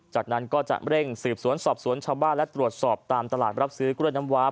จากนั้นก็จะเร่งสืบสวนสอบสวนชาวบ้านและตรวจสอบตามตลาดรับซื้อกล้วยน้ำว้า